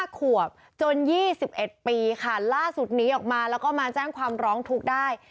๕ขวบจน๒๑ปีค่ะล่าสุดหนีออกมาแล้วก็มาแจ้งความร้องทุกข์ได้